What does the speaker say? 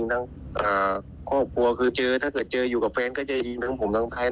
ถ้าเจออยู่กับแฟนก็จะยิงทั้งผมทั้งแฟน